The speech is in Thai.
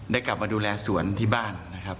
กลับมาดูแลสวนที่บ้านนะครับ